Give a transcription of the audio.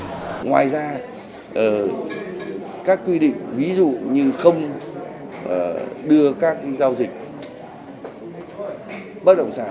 ngoài ra các quy định ví dụ như không đưa các giao dịch bất động sản